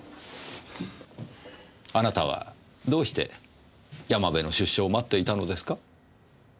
あなたはどうして山部の出所を待っていたのですか？